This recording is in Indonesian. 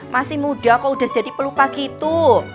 masih muda kok udah jadi pelupa gitu